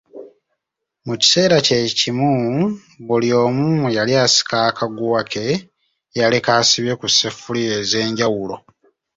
Mu kiseera kye kimu buli omu yali asika akaguwa ke yaleka asibye ku sseffuliya ez'enjawulo.